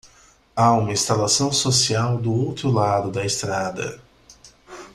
Há uma instalação social do outro lado da estrada.